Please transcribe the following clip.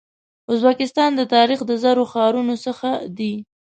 ازبکستان د تاریخ د زرو ښارونو ځای دی.